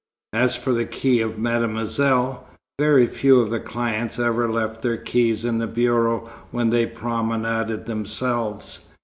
As for the key of Mademoiselle, very few of the clients ever left their keys in the bureau when they promenaded themselves.